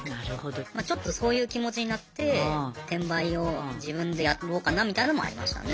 まちょっとそういう気持ちになって転売を自分でやろうかなみたいのもありましたね。